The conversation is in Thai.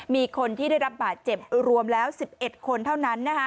มีคนที่ได้รับบาดเจ็บรวมแล้ว๑๑คนเท่านั้น